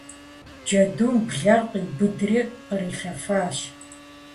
Джэдум блэр къиубыдри кърилъэфащ.